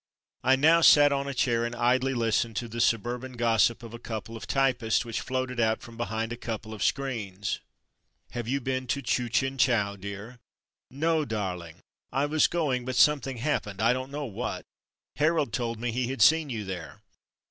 I now sat on a chair and idly listened to the suburban gossip of a couple of typists, i Amazing Interview 147 which floated out from behind a couple of screens. "Have you been to Chu Chin Chow, dear?'' "No, darUng; I was going but something happened, I don't know what. Harold told me he had seen you there."